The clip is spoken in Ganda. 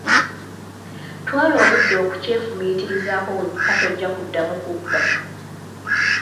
Twala obudde okukyefumiitrizaako wekka tojja kuddamu kubba.